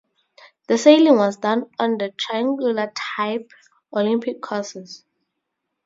The sailing was done on the triangular type Olympic courses.